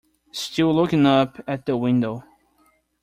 Still looking up at the window.